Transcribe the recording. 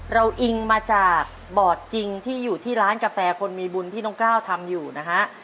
อิงมาจากบอร์ดจริงที่อยู่ที่ร้านกาแฟคนมีบุญที่น้องกล้าวทำอยู่นะฮะ